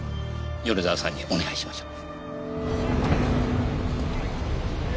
米沢さんにお願いしましょう。